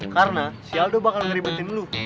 karena si aldo bakal ngeribetin lo